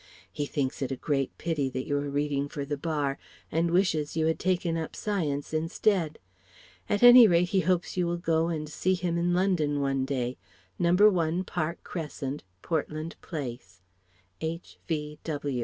He thinks it a great pity that you are reading for the Bar and wishes you had taken up Science instead. At any rate he hopes you will go and see him in London one day No. 1 Park Crescent. Portland Place. H.